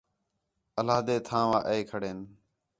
عِلیحدہ تھانوا اَے کھڑین